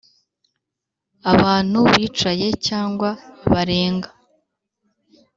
abantu bicaye cyangwa barenga